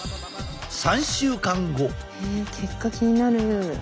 へえ結果気になる。